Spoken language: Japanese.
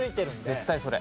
絶対それ。